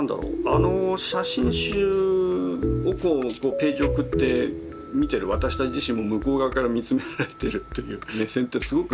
あの写真集をページを送って見てる私たち自身も向こう側から見つめられてるという目線ってすごく力が強くって。